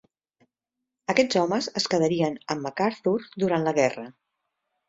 Aquests homes es quedarien amb MacArthur durant la guerra.